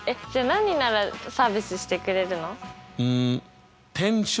じゃ何ならサービスしてくれるの？